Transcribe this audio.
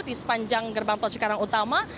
di sepanjang gerbang tol cikarang utama